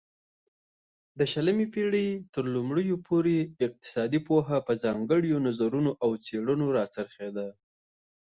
د شلمې پيړۍ ترلومړيو پورې اقتصادي پوهه په ځانگړيو نظريو او څيړنو را څرخيده